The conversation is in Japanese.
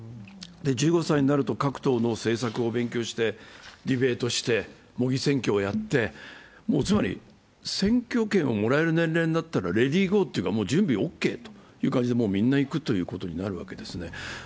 １５歳になると、各党の政策を勉強して勉強してディベートして模擬選挙をやって、選挙権をもらえる年齢になったら、レディーゴーというか、準備オッケーということでみんな行くということになるわけです。